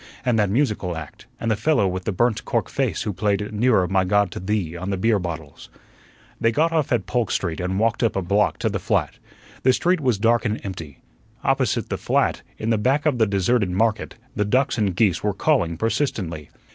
And that musical act, and the fellow with the burnt cork face who played 'Nearer, My God, to Thee' on the beer bottles." They got off at Polk Street and walked up a block to the flat. The street was dark and empty; opposite the flat, in the back of the deserted market, the ducks and geese were calling persistently.